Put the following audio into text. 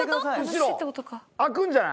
開くんじゃない？